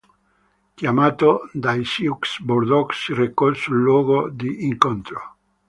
Chiamato dai Sioux, Bordeaux si recò sul luogo di incontro.